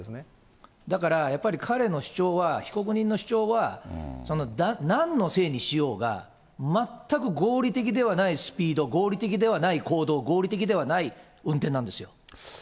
だからやっぱり、彼の主張は、被告人の主張は、なんのせいにしようが、全く合理的ではないスピード、合理的ではない行動、合理的ではない運転なんですよ。